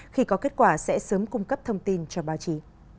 khi có kết quả sẽ sớm cung cấp thông tin cho báo chí